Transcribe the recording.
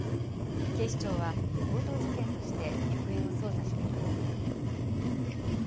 警視庁は強盗事件として行方を捜査しています。